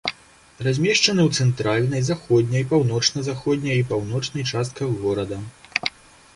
Размешчаны ў цэнтральнай, заходняй, паўночна-заходняй і паўночнай частках горада.